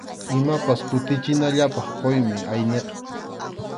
Imapas kutichinallapaq quymi ayniqa.